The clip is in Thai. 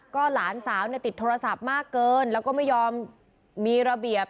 ก็หลานสาวเนี่ยติดโทรศัพท์มากเกินแล้วก็ไม่ยอมมีระเบียบ